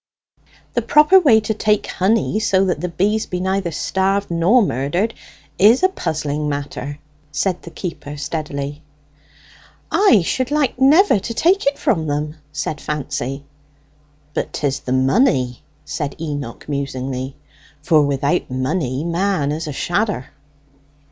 "The proper way to take honey, so that the bees be neither starved nor murdered, is a puzzling matter," said the keeper steadily. "I should like never to take it from them," said Fancy. "But 'tis the money," said Enoch musingly. "For without money man is a shadder!"